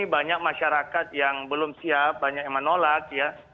banyak masyarakat yang belum siap banyak yang menolak ya